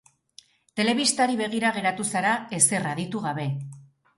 Telebistari begira geratu zara ezer aditu gabe.